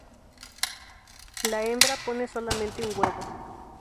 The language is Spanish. La hembra pone solamente un huevo.